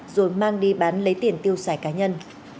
rồi mang đi bán lấy tiền tiêu xài cá nhân